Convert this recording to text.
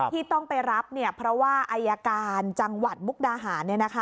ที่ต้องไปรับเพราะว่าอายการจังหวัดมุกดาหาร